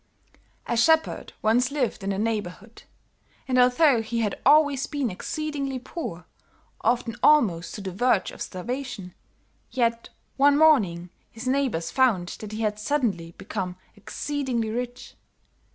"A shepherd once lived in the neighborhood, and although he had always been exceedingly poor, often almost to the verge of starvation, yet, one morning, his neighbors found that he had suddenly become exceedingly rich.